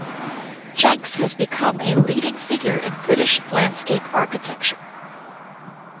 Jencks has become a leading figure in British landscape architecture.